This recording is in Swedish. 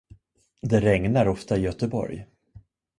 Det regnar ofta i Göteborg.